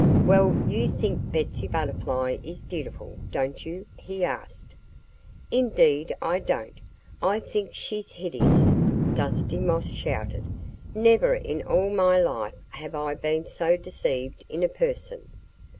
"Well, you think Betsy Butterfly is beautiful, don't you?" he asked. "Indeed I don't! I think she's hideous," Dusty Moth shouted. "Never in all my life have I been so deceived in a person."